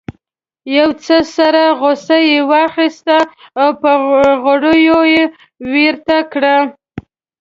یو څه سره غوښه یې واخیسته او په غوړیو یې ویریته کړه.